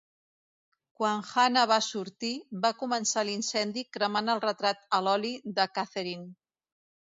Quan Hannah va sortir, va començar l'incendi cremant el retrat a l'oli de Catherine.